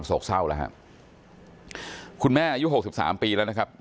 ไม่ตั้งใจครับ